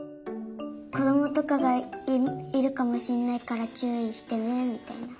こどもとかがいるかもしれないからちゅういしてねみたいな。